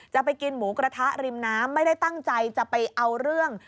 จะไปกินหมูกระทะริมน้ำไม่ได้ตั้งใจจะไปเอาเรื่อง